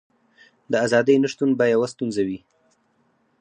د ازادۍ نشتون به یوه ستونزه وي.